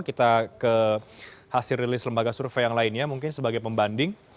kita ke hasil rilis lembaga survei yang lainnya mungkin sebagai pembanding